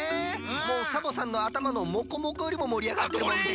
もうサボさんのあたまのモコモコよりももりあがってるもんね。